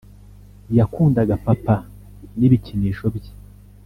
yakundaga papa, n'ibikinisho bye;